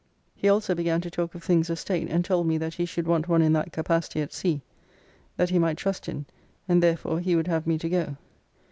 He also began to talk of things of State, and told me that he should want one in that capacity at sea, that he might trust in, and therefore he would have me to go.